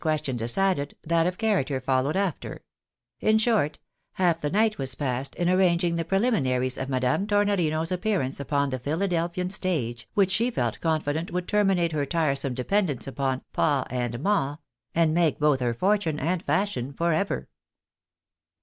question decided, that of character followed after ; in short, half i the night was passed in arranging the preliminaries of Madame Tornorino's appearance upon the Philadelphian stage, which she felt confident would terminate her tiresome dependence upon " Pa and Ma," and make both her fortune and fashion for ever.